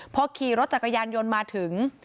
พอขี่รถจักรยานยนต์มาถึง